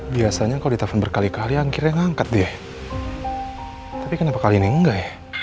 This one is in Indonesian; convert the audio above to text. biasanya kau ditelepon berkali kali akhirnya ngangkat deh tapi kenapa kali ini enggak